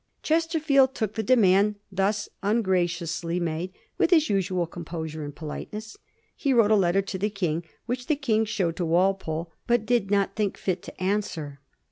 Chesterfield took the demand thus ungra ciously made with his usual composure and politeness. He wrote a letter to the King, which the King showed to Walpole, but did not think fit to answer.